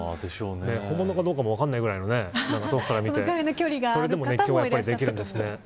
本物かどうかも分からないぐらいの遠くから見てそれでも熱狂はできるんですね。